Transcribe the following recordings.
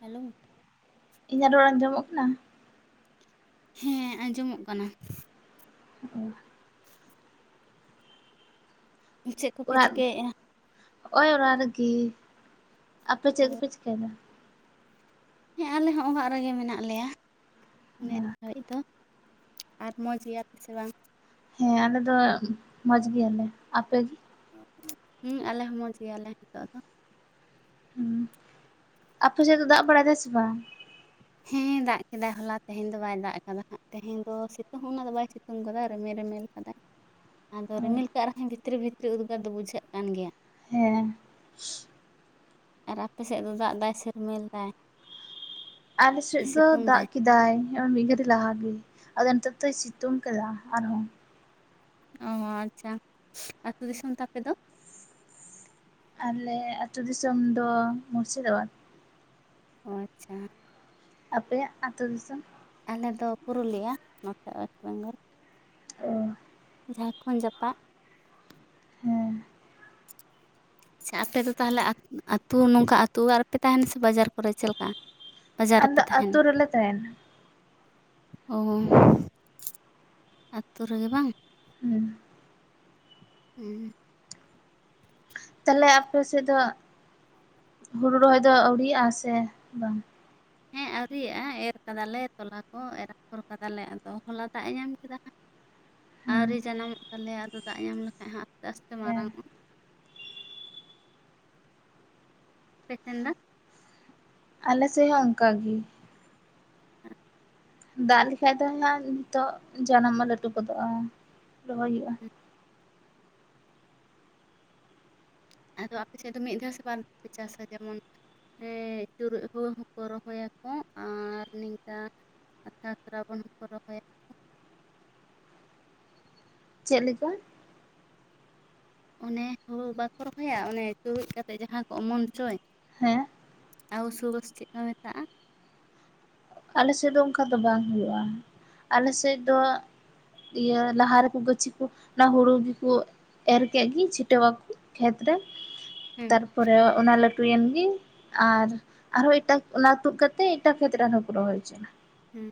Hello [inaudible] ᱤᱧᱟᱹᱜ ᱨᱚᱲ ᱟᱡᱚᱢᱚᱜ ᱠᱟᱱᱟ? ᱦᱮᱸ ᱟᱸᱡᱚᱢᱚᱜ ᱠᱟᱱᱟ ᱾ ᱚ [inaudible] ᱪᱮᱫ ᱠᱚᱯᱮ ᱪᱤᱠᱟᱹᱭᱮᱫᱼᱟ ᱾ ᱦᱭ ᱚᱲᱟ ᱨᱮᱜᱮ ᱟᱯᱮ ᱪᱮᱫ ᱜᱮᱯᱮ ᱪᱤᱠᱟᱹᱭᱟ ᱾ ᱦᱮᱸ ᱟᱞᱮ ᱦᱚᱸ ᱚᱲᱟᱜ ᱨᱮᱜᱮ ᱢᱮᱱᱟᱜ ᱞᱮᱭᱟ ᱱᱤᱛ ᱜᱟᱹᱲᱤᱡ ᱫᱚ ᱾ ᱟᱨ ᱢᱚᱡᱽ ᱜᱮᱭᱟ ᱯᱮ ᱥᱮ ᱵᱟᱝ? ᱦᱮᱸ ᱟᱞᱮ ᱫᱚ ᱢᱚᱡᱽ ᱜᱮᱭᱟᱞᱮ ᱟᱯᱮᱜ ᱜᱮ? ᱦᱮᱸ ᱟᱞᱮ ᱦᱚᱸ ᱢᱚᱡᱽ ᱜᱮᱭᱟᱞᱮ ᱱᱤᱛᱚᱜ ᱫᱚ᱾ ᱦᱮᱸ ᱟᱯ ᱥᱮᱫ ᱫᱚ ᱫᱟᱜ ᱵᱟᱲᱟᱭ ᱥᱮ ᱵᱟᱝ ᱦᱮᱸ ᱫᱟᱜ ᱠᱮᱫᱟᱭ ᱦᱚᱞᱟ ᱛᱮᱦᱮᱧ ᱫᱚ ᱵᱟᱭ ᱫᱟᱜ ᱠᱟᱫᱟ ᱦᱟᱸᱜ ᱛᱮᱦᱮᱧ ᱫᱚ ᱥᱤᱛᱩᱝ ᱚᱱᱟ ᱫᱚ ᱵᱟᱭ ᱥᱤᱛᱩᱝ ᱠᱟᱫᱟ ᱨᱮᱢᱮᱞ ᱨᱤᱢᱤᱞ ᱠᱟᱫᱟᱭ ᱟᱫᱚ ᱚ ᱨᱤᱢᱤᱞ ᱠᱟᱜ ᱨᱮᱦᱚᱸ ᱵᱷᱤᱛᱨᱤ ᱵᱷᱤᱛᱨᱤ ᱩᱫᱽᱜᱟᱹᱨ ᱫᱚ ᱵᱩᱡᱷᱟᱹᱜ ᱠᱟᱱ ᱜᱮᱭᱟ ᱾ [inaudible] ᱟᱨ ᱟᱯᱮ ᱥᱮᱫ ᱫᱚ ᱫᱟᱜ ᱫᱟᱭ ᱥᱮᱤᱨᱢᱮᱞ ᱫᱟᱭ? ᱟᱞᱮ ᱥᱮᱫ ᱥᱮ ᱫᱚ ᱥᱤᱛᱩᱝ ᱫᱟᱜ ᱫᱟᱭ ᱠᱮᱫᱟᱭ ᱢᱤᱫ ᱜᱷᱟᱹᱲᱤᱡ ᱞᱟᱦᱟᱜᱮ ᱾ ᱟᱫᱚ ᱱᱮᱛᱟᱨ ᱫᱚᱭ ᱥᱤᱛᱩᱝ ᱠᱮᱫᱟ ᱟᱨᱦᱚᱸ᱾ ᱚ ᱟᱪᱪᱷᱟ ᱟᱹᱛᱩ ᱫᱤᱥᱚᱢ ᱛᱟᱯᱮ ᱫᱚ? ᱟᱞᱮ ᱟᱹᱛᱩ ᱫᱤᱥᱚᱢ ᱫᱚ ᱢᱩᱨᱥᱤᱫᱟᱵᱟᱫ ᱾ ᱚ ᱟᱪᱪᱷᱟ ᱾ ᱟᱯᱮ ᱟᱜ ᱟᱹᱛᱩ ᱫᱤᱥᱚᱢ? ᱟᱞᱮ ᱫᱚ ᱯᱩᱨᱩᱞᱤᱭᱟᱹ ᱱᱚᱛᱮ ᱣᱮᱥᱴ ᱵᱮᱝᱜᱚᱞ ᱾ ᱚ ᱡᱷᱟᱲᱠᱷᱚᱸᱰ ᱡᱟᱯᱟᱜ ᱾ ᱦᱮᱸ ᱟᱪᱪᱷᱟ ᱟᱯᱮ ᱫᱚ ᱛᱟᱦᱚᱞᱮ ᱟᱹᱛᱩ ᱱᱚᱝᱠᱟ ᱟᱹᱛᱩ ᱚᱲᱟᱜ ᱨᱮᱯᱮ ᱛᱟᱦᱮᱱᱟ ᱥᱮ ᱵᱟᱡᱟᱨ ᱠᱚᱨᱮ ᱪᱮᱫ ᱞᱮᱠᱟ? ᱵᱟᱡᱟᱨ ᱟᱞᱮ ᱨᱮᱯᱮ ᱫᱚ ᱟᱹᱛᱩ ᱛᱟᱦᱮᱱᱟ ᱨᱮᱞᱮ ᱛᱟᱦᱮᱱᱟ ᱚ ᱟᱹᱛᱩ ᱨᱮᱜᱮ ᱵᱟᱝ ᱦᱩᱸ ᱦᱮᱸ ᱛᱟᱦᱞᱮ ᱟᱯᱮ ᱥᱮᱫ ᱫᱚ ᱦᱩᱲᱩ ᱨᱚᱦᱚᱭ ᱫᱚ ᱟᱹᱣᱨᱤᱭᱜᱼᱟᱥ ᱵᱟᱝ ᱦᱮᱸ ᱟᱹᱣᱨᱤᱭᱟᱜᱼᱟ ᱮᱨ ᱠᱟᱫᱟᱞᱮ ᱛᱚᱞᱟ ᱠᱚ ᱮᱨᱯᱷᱚᱨ ᱠᱟᱫᱟᱞᱮ ᱟᱫᱚ ᱦᱚᱞᱟ ᱫᱟᱜ ᱮ ᱧᱟᱢ ᱠᱮᱫᱟ ᱦᱟᱸᱜ ᱦᱮᱸ ᱟᱹᱣᱨᱤ ᱡᱟᱱᱟᱢᱚᱜ ᱛᱟᱞᱮᱭᱟ ᱟᱫᱚ ᱫᱟᱜ ᱧᱟᱢ ᱞᱮᱠᱷᱟᱡ ᱦᱚᱸ ᱟᱥᱛᱮ ᱟᱥᱛᱮ ᱦᱮᱸ ᱢᱟᱨᱟᱝ ᱚᱜᱼᱟ [inaudible] ᱟᱯᱮᱥᱮᱱ ᱫᱚ ᱟᱞᱮ ᱥᱮᱡ ᱦᱚᱸ ᱚᱱᱠᱟ ᱜᱮ ᱫᱟᱜ ᱞᱮᱠᱷᱟᱡ ᱫᱚ ᱦᱟᱜ ᱱᱤᱛᱚᱜ ᱡᱟᱱᱟᱢᱟᱜ ᱞᱟᱹᱴᱩ ᱜᱚᱫᱚᱜᱼᱟ ᱨᱚᱦᱚᱭ ᱦᱩᱭᱩᱜᱼᱟ ᱟᱫᱚ ᱟᱯᱮ ᱥᱮᱫ ᱫᱚ ᱢᱤᱫ ᱫᱷᱟᱣ ᱥᱮ ᱵᱟᱝ ᱫᱷᱟᱣ ᱯᱮ ᱪᱟᱥᱟ ᱡᱮᱢᱚᱱ ᱦᱮ ᱪᱩᱨᱩᱡ ᱦᱩᱲᱩ ᱦᱚᱸᱠᱚ ᱨᱚᱦᱚᱭᱟᱠᱚ ᱟᱨ ᱱᱤᱝᱠᱟ ᱟᱛᱷᱟ ᱥᱨᱟᱵᱚᱱ ᱦᱚᱸᱠᱚ ᱨᱚᱦᱚᱭᱟ [inaudible] ᱪᱮᱫ ᱞᱮᱠᱟ ᱚᱱᱮ ᱦᱩᱲᱩ ᱵᱟᱠᱚ ᱨᱚᱦᱚᱭᱟ ᱚᱱᱮ ᱪᱩᱣᱡ ᱠᱟᱛᱮ ᱡᱟᱦᱟᱸ ᱠᱚ ᱚᱢᱚᱱ ᱦᱚᱪᱚᱭ ᱦᱮᱸ ᱟᱨᱥᱩᱵᱳᱥ ᱪᱮᱫ ᱠᱚ ᱢᱮᱛᱟᱜᱼᱟ ᱟᱞᱮ ᱥᱮᱫ ᱫᱚ ᱚᱱᱠᱟ ᱫᱚ ᱵᱟᱝ ᱦᱩᱭᱩᱜᱼᱟ ᱟᱞᱮ ᱥᱮᱫ ᱫᱚ ᱤᱭᱟᱹ ᱞᱟᱦᱟ ᱨᱮᱠᱚ ᱜᱟᱹᱪᱷᱤ ᱠᱚ ᱚᱱᱟ ᱦᱩᱲᱩ ᱜᱮᱠᱚ ᱮᱨ ᱠᱮᱫ ᱜᱮ ᱪᱷᱤᱴᱟᱹᱣᱟᱠᱚ ᱠᱷᱮᱛᱨᱮ ᱦᱩᱸ ᱛᱟᱨᱯᱚᱨᱮ ᱚᱱᱟ ᱞᱟᱹᱴᱩᱭᱮᱱ ᱟᱨ ᱟᱨᱦᱚᱸ ᱮᱴᱟᱜ ᱚᱱᱟ ᱛᱩᱫ ᱠᱟᱛᱮ-ᱮᱫ ᱮᱴᱟᱜ ᱠᱷᱮᱛ ᱟᱨᱦᱚᱸ ᱠᱚ ᱨᱚᱦᱚᱭ ᱦᱚᱪᱚᱱᱟ ᱦᱮᱸ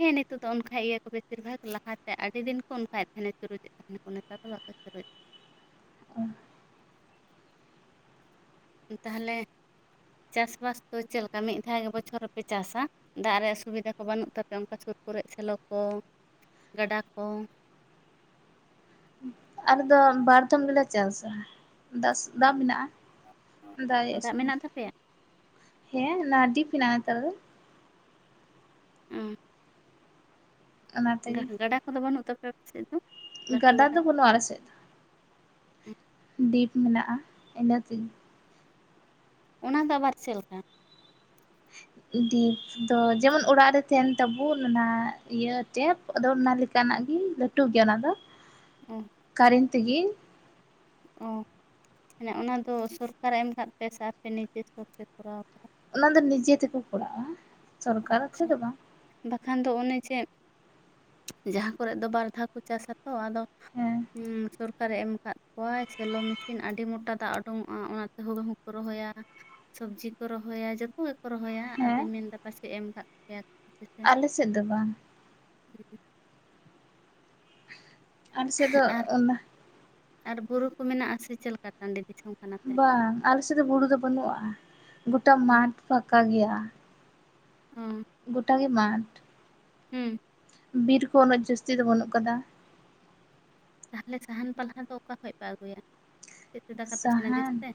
ᱦᱮᱸ ᱱᱤᱛᱳ ᱫᱚ ᱚᱱᱠᱷᱟ ᱜᱮᱠᱚ ᱵᱮᱥᱤᱨ ᱵᱷᱟᱜᱽ ᱞᱟᱦᱟᱛᱮ ᱟᱹᱰᱤ ᱫᱤᱱ ᱠᱚ ᱚᱱᱠᱷᱟ ᱯᱷᱮᱱᱮᱪᱩᱨᱩᱡᱮᱫ ᱛᱟᱦᱮᱱᱟᱠᱚ ᱱᱮᱛᱟᱨ ᱫᱚ [unintelligible] ᱯᱚᱛ ᱚ ᱛᱟᱦᱚᱞᱮ ᱪᱟᱥᱵᱟᱥ ᱫᱚ ᱪᱮᱫᱮᱠᱟ ᱢᱤᱫ ᱫᱷᱟᱣ ᱜᱮ ᱵᱚᱪᱷᱚᱨ ᱨᱮᱯᱮ ᱪᱟᱥᱟ ᱫᱟᱜ ᱨᱮᱭᱟᱜ ᱥᱩᱵᱤᱫᱟ ᱠᱚ ᱵᱟᱹᱱᱩᱜ ᱛᱟᱯᱮ ᱚᱱᱠᱟ ᱥᱩᱨ ᱠᱚᱨᱮ ᱥᱮᱞᱚ ᱠᱚ ᱜᱟᱰᱟ ᱠᱚ ᱦᱩᱸ ᱟᱫᱚ ᱵᱟᱨᱫᱷᱚᱢ ᱜᱮᱞᱮ ᱪᱟᱥᱟ ᱫᱟᱜ ᱢᱮᱱᱟᱜᱼᱟ ᱫᱟᱲᱮᱭᱟᱜ ᱫᱟᱜ ᱢᱮᱱᱟᱜ ᱥᱩᱵᱤᱫᱷᱟ ᱛᱟᱯᱮᱭᱟ ᱦᱮᱸ ᱱᱟᱰᱤᱯ ᱢᱮᱱᱟᱜᱼᱟ ᱱᱮᱛᱟᱨ ᱫᱚ ᱦᱮᱸ ᱚᱱᱟ ᱛᱮᱜᱮ ᱜᱟᱰᱟ ᱠᱚᱫᱚ ᱵᱟᱹᱱᱩᱜ ᱛᱟᱯᱮᱭᱟ ᱟᱯᱮ ᱥᱮᱫ ᱫᱚ ᱜᱟᱰᱟ ᱫᱚ ᱵᱟᱱᱩᱜ ᱟ ᱟᱞᱮ ᱥᱮᱫ ᱫᱚ ᱦᱮᱸ ᱰᱤᱯ ᱢᱮᱱᱟᱜᱼᱟ ᱤᱱᱟᱹᱛᱤᱧ ᱚᱱᱟ ᱫᱚ ᱟᱵᱟᱨ ᱪᱮᱫ ᱞᱮᱠᱟ ᱰᱤᱯ ᱫᱚ ᱡᱮᱢᱚᱱ ᱚᱲᱟᱜ ᱨᱮ ᱛᱟᱦᱮᱱ ᱛᱟᱵᱚᱱ ᱚᱱᱟ ᱤᱭᱟᱹ ᱴᱮᱯ ᱟᱫᱚ ᱚᱱᱟ ᱞᱮᱠᱟᱱᱟᱜ ᱜᱮ ᱞᱟᱹᱴᱩ ᱜᱮᱭᱟ ᱚᱱᱟ ᱫᱚ ᱚ ᱠᱟᱨᱮᱱᱴ ᱛᱮᱜᱮ ᱚ ᱢᱟᱱᱮ ᱚᱱᱟ ᱫᱚ ᱥᱚᱨᱠᱟᱨ ᱮᱢ ᱠᱟᱜ ᱯᱮ ᱥᱮ ᱟᱯᱮ ᱱᱤᱡᱮ ᱛᱮᱯᱮ ᱠᱚᱨᱟᱣ ᱠᱟᱫᱟ ᱚᱱᱟ ᱫᱚ ᱱᱤᱡᱮ ᱛᱮᱠᱚ ᱠᱚᱨᱟᱜᱼᱟ ᱥᱚᱨᱠᱟᱨ ᱠᱷᱚᱱ ᱫᱚ ᱵᱟᱝ ᱮᱠᱷᱟᱱ ᱫᱚ ᱚᱱᱮ ᱪᱮ ᱡᱟᱦᱟᱸ ᱠᱚᱨᱮ ᱫᱚ ᱵᱟᱨ ᱫᱷᱟᱣ ᱠᱚ ᱪᱟᱥ ᱟᱠᱚ ᱟᱫᱚ ᱦᱮᱸ ᱥᱚᱨᱠᱟᱨᱮ ᱮᱢ ᱟᱠᱟᱫ ᱠᱚᱣᱟᱭ ᱥᱮᱞᱚ ᱢᱮᱥᱤᱱ ᱟᱹᱰᱤ ᱢᱚᱴᱟ ᱫᱟᱜ ᱩᱰᱩᱠᱚᱜᱼᱟ ᱚᱱᱟᱛᱮ ᱦᱩᱲᱩ ᱦᱚᱸ ᱦᱩᱲᱩ ᱨᱚᱦᱚᱭ ᱥᱚᱵᱽᱡᱤ ᱠᱚ ᱨᱚᱦᱚᱭᱟ ᱡᱚᱛᱚ ᱜᱮᱠᱚ ᱨᱚᱦᱚᱭᱟ ᱦᱮᱸ ᱟᱫᱚᱧ ᱢᱮᱱᱫᱟ ᱯᱟᱪᱮ ᱮᱢ ᱠᱟᱜ ᱯᱮᱭᱟ ᱟᱯᱮ ᱟᱞᱮ ᱥᱮᱫ ᱫᱚ ᱵᱟᱝ ᱻ ᱟᱞᱮ ᱥᱮᱫ ᱫᱚ ᱟᱨ ᱚᱱᱟ ᱟᱨ ᱵᱩᱨᱩ ᱠᱚ ᱢᱮᱱᱟᱜᱼᱟ ᱥᱮ ᱪᱮᱫ ᱞᱮᱠᱟ ᱴᱟᱺᱰᱤ ᱫᱤᱥᱚᱢ ᱠᱟᱱᱟ ᱯᱮ ᱵᱟᱝ ᱟᱞᱮ ᱥᱮᱫ ᱫᱚ ᱵᱩᱨᱩ ᱫᱚ ᱵᱟᱹᱱᱩᱜᱼᱟ ᱜᱳᱴᱟ ᱚ ᱢᱟᱴᱷ ᱯᱷᱟᱠᱟ ᱜᱮᱭᱟ᱾ ᱜᱚᱴᱟ ᱜᱮ ᱢᱟᱴᱷ᱾ ᱦᱮᱸ ᱵᱤᱨ ᱠᱚ ᱩᱱᱟᱹᱜ ᱡᱟᱹᱥᱛᱤ ᱫᱚ ᱵᱟᱹᱱᱩᱜ ᱠᱟᱫᱟ᱾ ᱛᱟᱦᱚᱞᱮ ᱥᱟᱦᱟᱱ ᱯᱟᱞᱦᱟ ᱫᱚ ᱚᱠᱟ ᱠᱷᱚᱱ ᱯᱮ ᱟᱹᱜᱩᱭᱟ? ᱪᱮᱫ ᱛᱮ ᱫᱟᱠᱟ ᱯᱮ ᱤᱥᱤᱱᱟ ᱜᱮᱥ ᱥᱟᱦᱟᱱ ᱛᱮ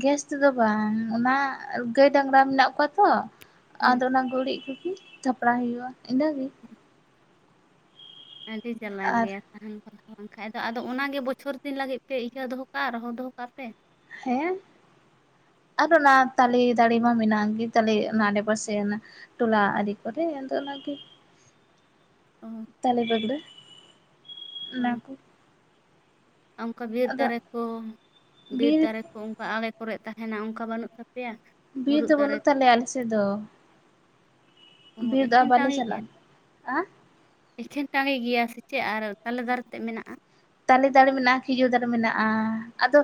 ᱜᱮᱥ ᱛᱮᱫᱚ ᱵᱟᱝ ᱚᱱᱟ ᱜᱟᱹᱭ ᱰᱟᱝᱨᱟ ᱢᱮᱱᱟᱜ ᱠᱚᱣᱟ ᱛᱚ ᱦᱩᱸ ᱟᱫᱚ ᱚᱱᱟ ᱜᱩᱨᱤᱡ ᱠᱚ ᱛᱷᱟᱯᱲᱟᱣ ᱦᱩᱭᱩᱜᱼᱟ ᱤᱱᱟᱹ ᱜᱮ ᱟᱹᱰᱤ ᱡᱟᱞᱟ ᱟᱨ ᱜᱮᱭᱟ ᱥᱟᱦᱟᱱ ᱯᱟᱞᱟ ᱵᱟᱝᱠᱷᱟᱡ ᱫᱚ ᱟᱫᱚ ᱚᱱᱟᱜᱮ ᱵᱚᱪᱷᱚᱨ ᱫᱤᱱ ᱞᱟᱹᱜᱤᱫ ᱯᱮ ᱤᱭᱟᱹ ᱫᱚᱦᱚ ᱠᱟᱜᱼᱟ ᱟᱨᱦᱚ ᱫᱚᱦᱚ ᱠᱟᱜ ᱯᱮ ᱦᱮᱸ ᱟᱨᱚ ᱚᱱᱟ ᱛᱟᱞᱮ ᱫᱟᱲᱮ ᱢᱟ ᱢᱮᱱᱟᱜ ᱜᱮ ᱛᱟᱞᱮ ᱚᱱᱟ ᱟᱲᱮ ᱯᱟᱥᱮ ᱴᱚᱞᱟ ᱟᱲᱨᱤ ᱠᱚᱨᱮ ᱟᱫᱚ ᱟᱨ ᱚ ᱛᱟᱞᱮ ᱵᱷᱟᱜᱲᱟᱜ ᱚᱱᱟ ᱠᱚ ᱚᱱᱠᱟ ᱵᱤᱨ ᱟᱫᱚ ᱫᱟᱨᱮ ᱠᱚ ᱵᱤᱨ ᱫᱟᱨᱮ ᱠᱚ ᱚᱱᱠᱟ ᱟᱲᱮ ᱠᱚᱨᱮ ᱛᱟᱦᱮᱱᱟ ᱚᱱᱠᱟ ᱵᱟᱹᱱᱩᱜ ᱛᱟᱯᱮᱭᱟ ᱵᱤᱨ ᱢᱩᱨᱩᱫ ᱫᱚ ᱫᱟᱨᱮ ᱵᱟᱹᱱᱩᱜ ᱛᱟᱞᱮᱭᱟ ᱟᱞᱮ ᱥᱮᱫ ᱫᱚ ᱠᱚᱦᱚᱸ ᱵᱤᱨ ᱫᱚᱼᱟ ᱮᱠᱷᱮᱱ ᱵᱟᱞᱮ ᱴᱟᱺᱜᱤ ᱜᱮᱭᱟ ᱪᱟᱞᱟᱜᱼᱟ ᱦᱮ ᱮᱠᱷᱮᱱ ᱴᱟᱸᱜᱮ ᱜᱮᱭᱟ ᱥᱮ ᱪᱮᱫ ᱟᱨ ᱛᱟᱞᱮ ᱫᱟᱨᱮᱛᱮ ᱢᱮᱱᱟᱜᱼᱟ ᱛᱟᱞᱮ ᱫᱟᱨᱮ ᱢᱮᱱᱟᱜᱼᱟ ᱠᱷᱤᱡᱩᱨ ᱫᱟᱨᱮ ᱢᱮᱱᱟᱜᱼᱟ ᱟᱫᱚ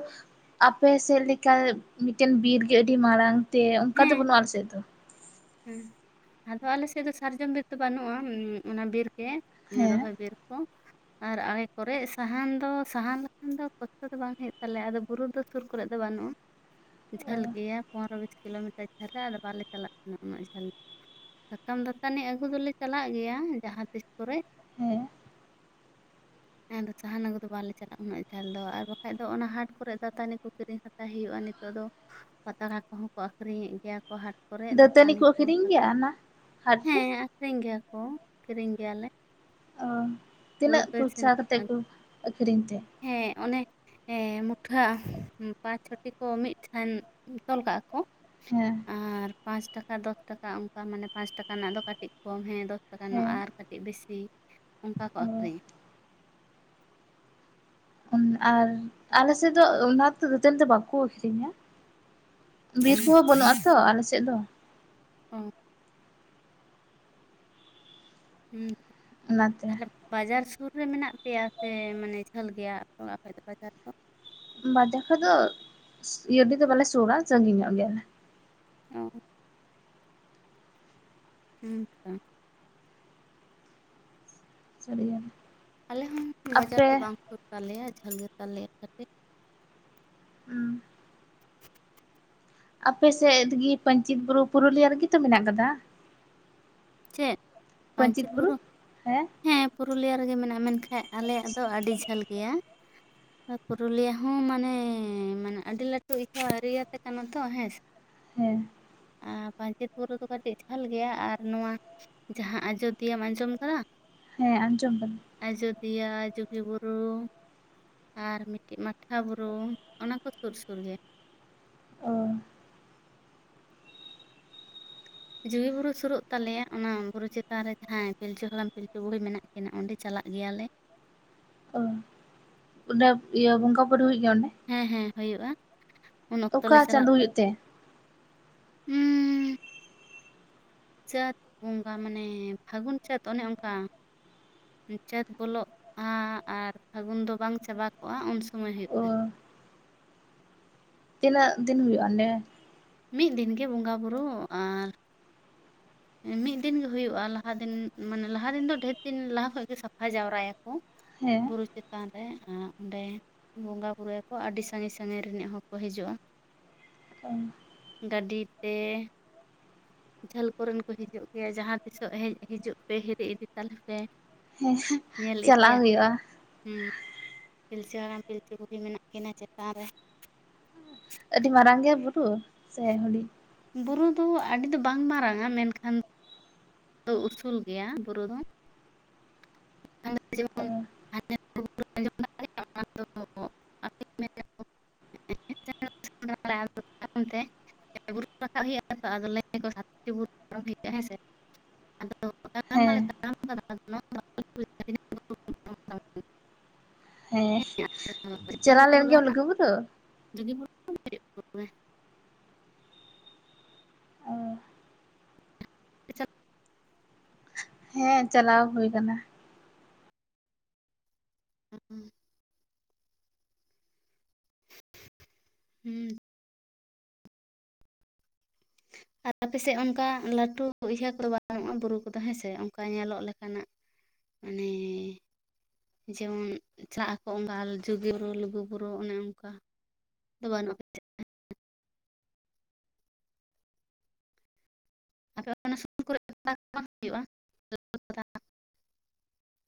ᱟᱯᱮ ᱥᱮᱫ ᱞᱮᱠᱟ ᱢᱤᱫᱴᱮᱱ ᱵᱤᱨ ᱟᱹᱰᱤ ᱢᱟᱨᱟᱝᱛᱮ ᱚᱱᱠᱟ ᱫᱚ ᱦᱮᱸ ᱵᱟᱹᱱᱩᱜᱼᱟ ᱟᱞᱮ ᱥᱮᱫ ᱫᱚ᱾ ᱦᱮᱸ ᱟᱫᱚ ᱟᱞᱮ ᱥᱮᱫ ᱫᱚ ᱥᱟᱨᱡᱚᱢ ᱵᱤᱨ ᱫᱚ ᱵᱟᱹᱱᱩᱜᱼᱟ ᱚᱱᱟ ᱵᱤᱨ ᱪᱮᱫ ᱦᱮᱸ ᱨᱚᱦᱚᱭ ᱵᱤᱨ ᱠᱚ ᱟᱨ ᱟᱲᱮ ᱠᱚᱨᱮ ᱥᱟᱦᱟᱱ ᱫᱚ ᱥᱟᱦᱟᱱ ᱞᱮᱠᱷᱟᱱ ᱫᱚ ᱠᱚᱥᱴᱚ ᱫᱚ ᱵᱟᱝ ᱦᱩᱭᱩᱜ ᱛᱟᱞᱮᱭᱟ ᱟᱫᱚ ᱵᱩᱨᱩ ᱫᱚ ᱥᱩᱨ ᱠᱚᱨᱮ ᱫᱚ ᱵᱟᱹᱱᱩᱜᱼᱟ ᱚ ᱡᱷᱟᱹᱞ ᱜᱮᱭᱟ ᱯᱚᱱᱨᱚ ᱵᱤᱥ ᱠᱤᱞᱳᱢᱤᱴᱟᱨ ᱡᱷᱟᱹᱞ ᱨᱮ ᱟᱫᱚ ᱵᱟᱞᱮ ᱪᱟᱞᱟᱜ ᱠᱟᱱᱟ᱾ ᱚᱱᱟ ᱩᱱᱟᱹᱜ ᱡᱷᱟᱹᱞ᱾ ᱥᱟᱠᱟᱢ ᱫᱟᱛᱟᱹᱱᱤ ᱟᱹᱜᱩ ᱫᱚᱞᱮ ᱪᱟᱞᱟᱜ ᱜᱮᱭᱟ ᱡᱟᱦᱟᱸ ᱛᱤᱥ ᱠᱚᱨᱮ᱾ ᱻ [inaudible] ᱟᱫᱚ ᱥᱟᱦᱟᱱ ᱟᱹᱜᱩ ᱠᱚᱫᱚ ᱵᱟᱞᱮ ᱪᱟᱞᱟᱜᱼᱟ ᱩᱱᱟᱹᱜ ᱡᱷᱟᱞ ᱫᱚ ᱟᱨ ᱵᱟᱠᱷᱟᱡ ᱫᱚ ᱚᱱᱟ ᱦᱟᱴ ᱠᱚᱨᱮ ᱫᱟᱛᱟᱹᱱᱤ ᱠᱚ ᱠᱤᱨᱤᱧ ᱦᱟᱛᱟᱣ ᱦᱩᱭᱩᱜᱼᱟ᱾ ᱱᱤᱛᱚᱜ ᱫᱚ ᱯᱟᱛᱲᱟ ᱠᱚᱦᱚᱸ ᱠᱚ ᱟᱠᱷᱨᱤᱧᱮᱫ ᱜᱮᱭᱟ ᱠᱚ ᱦᱟᱴ ᱫᱟᱹᱛᱟᱹᱱᱤ ᱠᱚ ᱟᱹᱠᱷᱨᱤᱧ ᱜᱮᱭᱟ ᱚᱱᱟ ᱦᱟᱴ ᱨᱮ? ᱦᱚ ᱟᱠᱷᱤᱨᱤᱧ ᱜᱮᱭᱟᱞᱮ᱾ ᱚ ᱛᱤᱱᱟᱹᱜ ᱯᱚᱭᱥᱟ ᱠᱟᱛᱮᱫ [unintelligible] ᱠᱚ ᱟᱹᱠᱷᱨᱤᱧ ᱛᱮ ᱦᱮᱸ ᱚᱱᱮ ᱦᱮᱸ ᱢᱩᱴᱷᱟᱹ ᱯᱟᱸᱪ ᱪᱷᱚᱴᱤ ᱠᱚ ᱢᱤᱫ ᱴᱷᱟᱱ ᱛᱚᱞ ᱠᱟᱜ ᱠᱚᱣᱟ ᱦᱮᱸ [unintelligible] ᱫᱚᱥ ᱴᱟᱠᱟ ᱚᱱᱠᱟ ᱢᱟᱱᱮ ᱯᱟᱸᱪ ᱴᱟᱠᱟ ᱨᱮᱱᱟᱜ ᱫᱚ ᱠᱟᱹᱴᱤᱡ ᱠᱚᱢ ᱦᱮᱸ ᱫᱚᱥ ᱴᱟᱠᱟ ᱨᱮᱱᱟᱜ ᱦᱮᱸ ᱟᱨ ᱠᱟᱹᱴᱤᱡ ᱵᱮᱥᱤ ᱚᱱᱠᱟ ᱠᱚ ᱟᱠᱷᱨᱤᱧᱟ᱾ [inaudible] ᱟᱨ ᱟᱞᱮ ᱥᱮᱫ ᱫᱚ ᱚᱱᱟ ᱫᱟᱹᱛᱟᱹᱱᱤ ᱫᱚ ᱵᱟᱠᱚ ᱟᱹᱷᱨᱤᱧᱟ᱾ ᱵᱤᱨ ᱠᱚᱦᱚᱸ ᱵᱟᱹᱱᱩᱜᱼᱟᱛᱚ ᱟᱞᱮ ᱥᱮᱫ ᱫᱚ᱾ ᱦ [unintelligible] ᱦᱮᱸ ᱚᱱᱟᱛᱮ ᱛᱟᱦᱞᱮ ᱵᱟᱡᱟᱨ ᱥᱩᱨ ᱨᱮ ᱢᱮᱱᱟᱜ ᱯᱮᱭᱟ ᱥᱮ ᱢᱟᱱᱮ ᱡᱷᱟᱹᱞ ᱜᱮᱭᱟ ᱚᱠᱚ ᱫᱚ ᱵᱟᱡᱟᱨ ᱫᱚ? ᱵᱟᱡᱟᱨ ᱠᱷᱚᱡ ᱫᱚ ᱤᱭᱟᱹ ᱫᱚ ᱵᱟᱞᱮ ᱥᱩᱨ-ᱟ ᱥᱟᱺᱜᱤᱧ ᱧᱚᱜ ᱜᱮᱭᱟᱞᱮ᱾ ᱚ ᱦᱮᱸ ᱛᱚ [unintelligible] ᱟᱞᱮ ᱦᱚᱸ ᱵᱟᱡᱟᱨ ᱟᱯᱮ ᱫᱚ ᱵᱟᱝ ᱥᱩᱨ ᱛᱟᱞᱮᱭᱟ ᱡᱷᱟᱹᱞ ᱛᱟᱞᱮᱭᱟ ᱠᱟᱹᱴᱤᱡ᱾ ᱦᱩᱸ ᱟᱯᱮ ᱥᱮᱫ ᱜᱮ ᱯᱟᱧᱪᱮᱛ ᱵᱩᱨᱩ ᱯᱩᱨᱩᱞᱤᱭᱟᱹ ᱨᱮᱜᱮ ᱛᱚ ᱢᱮᱱᱟᱜ ᱠᱟᱫᱟ᱾ ᱪᱮᱫ ᱯᱟᱧᱪᱮᱛ ᱵᱩᱨᱩ ᱦᱮᱸ ᱯᱩᱨᱩᱞᱤᱭᱟ ᱨᱮᱜᱮ ᱢᱮᱱᱟᱜᱼᱟ ᱢᱮᱱᱠᱟᱱ ᱟᱞᱮᱭᱟᱜ ᱫᱚ ᱟᱹᱰᱤ ᱡᱷᱟᱹᱞ ᱜᱮᱭᱟ [inaudible] ᱯᱩᱨᱩᱞᱤᱭᱟᱹ ᱦᱚᱸ ᱢᱟᱱᱮ ᱢᱟᱱᱮ ᱟᱹᱰᱤ ᱞᱟᱹᱴᱩ ᱪᱟᱹ ᱮᱨᱤᱭᱟ ᱛᱮ ᱠᱟᱱᱟ ᱛᱚ ᱦᱮᱸ ᱥᱮ ᱦᱮᱸ ᱯᱟᱧᱪᱮᱛ ᱵᱩᱨᱩ ᱫᱚ ᱠᱟᱹᱴᱤᱡ ᱵᱷᱟᱞ ᱜᱮᱭᱟ ᱟᱨ ᱱᱚᱣᱟ ᱡᱟᱦᱟᱸ ᱟᱡᱚᱫᱤᱭᱟᱹᱢ ᱟᱸᱡᱚᱢ ᱠᱟᱫᱟ ᱦᱮᱸ ᱟᱸᱡᱚᱢ ᱠᱟᱱᱟ ᱫᱤᱭᱟ ᱡᱩᱜᱤ ᱵᱩᱨᱩ ᱟᱨ ᱢᱤᱫᱴᱤᱡ ᱢᱟᱴᱷᱟ ᱵᱩᱨᱩ ᱚᱱᱟ ᱠᱚ ᱥᱩᱨ ᱥᱩᱨ ᱜᱮ ᱚ ᱡᱩᱜᱤ ᱵᱩᱨᱩ ᱥᱩᱨᱩᱜ ᱛᱟᱞᱮᱭᱟ ᱚᱱᱟ ᱵᱩᱨᱩ ᱪᱮᱛᱟᱱ ᱨᱮ ᱡᱟᱦᱟᱸᱭ ᱯᱤᱞᱪᱩ ᱦᱟᱲᱟᱢ ᱯᱤᱞᱪᱩ ᱵᱩᱦᱤ ᱢᱮᱱᱟᱜ ᱠᱱᱟ ᱚᱸᱰᱮ ᱪᱟᱞᱟᱜ ᱪᱟᱞᱟᱜ ᱜᱮᱭᱟᱞᱮ ᱚ ᱚᱸᱰᱮ ᱤᱭᱟᱹ ᱵᱚᱸᱜᱟ ᱵᱩᱨᱩ ᱦᱩᱭᱩᱜ ᱜᱮᱭᱟ ᱚᱸᱰᱮ ᱦᱮᱸ ᱦᱮᱸ ᱦᱩᱭᱩᱜᱼᱟ ᱩᱱ ᱚᱠᱛᱚ ᱚᱠᱟ ᱪᱟᱸᱫᱳ ᱦᱩᱭᱩᱜ ᱛᱮ ᱦᱩᱸ ᱪᱟᱹᱛ ᱵᱚᱸᱜᱟ ᱢᱟᱱᱮ ᱯᱷᱟᱹᱜᱩᱱ ᱪᱟᱹᱛ ᱚᱱᱮ ᱚᱱᱠᱟ ᱪᱟᱹᱛ ᱵᱚᱞᱚᱜᱼᱟ ᱟᱨ ᱯᱷᱟᱹᱜᱩᱱ ᱫᱚ ᱵᱟᱝ ᱪᱟᱵᱟ ᱠᱚᱜᱼᱟ ᱩᱱ ᱥᱚᱢᱚᱭ ᱦᱩᱭᱩᱜ ᱚ ᱛᱟᱸᱦᱮᱱ ᱛᱤᱱᱟᱹᱜ ᱫᱤᱱ ᱦᱩᱭᱩᱜᱼᱟ ᱚᱸᱰᱮ ᱢᱤᱫ ᱫᱤᱱᱜᱮ ᱵᱚᱸᱜᱟᱼᱵᱩᱨᱩ ᱟᱨ ᱢᱤᱫ ᱫᱤᱱ ᱜᱮ ᱦᱩᱭᱩᱜᱼᱟ ᱞᱟᱦᱟ ᱫᱤᱱ ᱢᱟᱱᱮ ᱞᱟᱦᱟ ᱫᱤᱱ ᱫᱚ ᱰᱷᱮᱨ ᱫᱤᱱ ᱞᱟᱦᱟ ᱠᱷᱚᱱᱚ ᱜᱮ ᱥᱟᱯᱷᱟ ᱡᱟᱣᱨᱟᱭᱟ ᱠᱚ ᱦᱮᱸ ᱵᱩᱨᱩ ᱪᱮᱛᱟᱱ [inaudible] ᱵᱚᱸᱜᱟᱼᱵᱩᱨᱩᱭᱟᱠᱚ ᱟᱹᱰᱤ ᱥᱟᱺᱜᱤᱧ ᱥᱟᱺᱜᱤᱧ ᱨᱤᱱᱤᱡ ᱦᱚᱲ ᱠᱚ ᱦᱤᱡᱩᱜᱼᱟ ᱜᱟᱹᱰᱤ ᱛᱮ ᱡᱷᱟᱞ ᱠᱚᱨᱮᱱ ᱠᱚ ᱦᱤᱡᱩᱜ ᱜᱮᱭᱟ ᱡᱟᱦᱟᱸ ᱛᱤᱥᱚᱜ ᱦᱮᱡ ᱦᱤᱡᱩᱜ ᱯᱮ ᱦᱤᱨᱤ ᱤᱫᱤ ᱛᱟᱞᱮ ᱯᱮ ᱦᱮᱸ ᱧᱮᱞ ᱪᱟᱞᱟᱣ ᱤᱫᱤᱭᱟᱯᱮ ᱦᱩᱭᱩᱜᱼᱟ ᱦᱩᱸ ᱯᱤᱞᱪᱩ ᱦᱟᱲᱟᱢ ᱯᱤᱞᱪᱩ ᱵᱩᱲᱦᱤ ᱢᱮᱱᱟᱜ ᱠᱤᱱᱟᱹ ᱪᱮᱛᱟᱱ ᱨᱮ ᱟᱹᱰᱤ ᱢᱟᱨᱟᱝ ᱜᱮᱭᱟ ᱵᱩᱨᱩ ᱥᱮ ᱦᱩᱰᱤᱝ ᱵᱩᱨᱩ ᱫᱚ ᱟᱹᱰᱤ ᱫᱚ ᱵᱟᱝ ᱢᱟᱨᱟᱝ-ᱟ ᱢᱮᱱᱠᱷᱟᱱ ᱫᱚ ᱩᱥᱩᱞ ᱜᱮᱭᱟ ᱵᱩᱨᱩ ᱫᱚ ᱚ ᱡᱮᱢᱚᱱ ᱻ ᱛᱟᱭᱚᱢᱛᱮ ᱵᱩᱨᱩ ᱟᱸᱡᱚᱢ ᱫᱟᱲᱮᱭᱟᱜᱼᱟ, ᱚᱱᱟ [inaudible] ᱵᱩᱨᱩ ᱨᱟᱠᱟᱵ ᱦᱩᱭᱩᱜᱼᱟ ᱟᱫᱚ ᱞᱟᱹᱭ ᱟᱠᱚ ᱥᱟᱛᱴᱤ ᱵᱩᱨᱩ ᱯᱟᱨᱚᱢ ᱦᱩᱭᱩᱜᱼᱟ ᱦᱮᱸ ᱥᱮ ᱛᱟᱲᱟᱢ ᱦᱮᱸ ᱵᱟᱞᱮ ᱛᱟᱲᱟᱢ ᱟᱠᱟᱫᱟ ᱦᱮᱸ ᱪᱟᱞᱟᱣ ᱵᱩᱨᱩ ᱞᱮᱱ ᱫᱚ ᱜᱮᱭᱟᱢ ᱦᱟᱸᱜ ᱞᱩᱜᱩ ᱵᱩᱨᱩ [inaudible] ᱚ ᱦᱩᱸ ᱦᱮᱸ ᱪᱟᱞᱟᱣ ᱦᱩᱭ ᱠᱟᱱᱟ ᱦ ᱦᱩᱸ ᱦ ᱟᱯᱮᱥᱮᱫ ᱚᱱᱠᱟ ᱞᱟᱹᱴᱩ ᱤᱭᱟᱹ ᱠᱚᱫᱚ ᱵᱟᱹᱱᱩᱜᱼᱟ ᱵᱩᱨᱩ ᱠᱚᱫᱚ ᱦᱮᱸᱥᱮ ᱚᱱᱠᱟ ᱧᱮᱞᱚᱜ ᱞᱮᱠᱟᱱᱟᱜ ᱢᱟᱱᱮ ᱡᱮᱢᱚᱱ ᱪᱟᱜ ᱟᱠᱚ ᱚᱝᱠᱟ ᱟᱡᱚᱫᱤᱭᱟᱹ ᱵᱩᱨᱩ ᱞᱩᱜᱩ ᱵᱩᱨᱩ ᱚᱱᱮ ᱚᱱᱠᱟ ᱫᱚ ᱵᱟᱹᱱᱩᱜ-ᱟ ᱟᱯᱮ ᱚᱱᱟ ᱥᱩᱞ ᱠᱚᱨᱮ ᱯᱟᱛᱟ ᱠᱚ ᱵᱟᱝ ᱦᱩᱭᱩᱜᱼᱟ